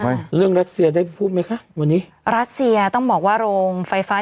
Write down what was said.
เรื่องรัสเซียได้พูดไหมคะวันนี้รัสเซียต้องบอกว่าโรงไฟฟ้า